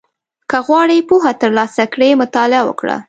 • که غواړې پوهه ترلاسه کړې، مطالعه وکړه.